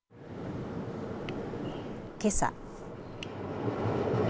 けさ。